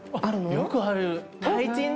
よくある。